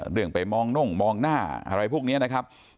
เรื่องไปมองน่งมองหน้าอะไรพวกนี้นะครับ